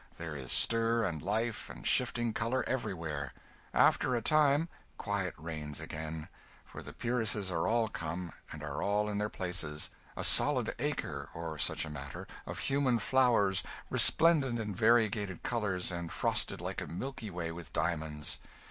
There is stir and life, and shifting colour everywhere. After a time, quiet reigns again; for the peeresses are all come and are all in their places, a solid acre or such a matter, of human flowers, resplendent in variegated colours, and frosted like a Milky Way with diamonds.